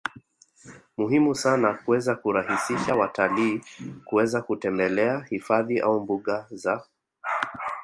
muhimu sana kuweza kurahisisha watalii kuweza kutembele hifadhi au mbuga za